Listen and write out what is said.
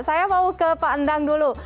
saya mau ke pak endang dulu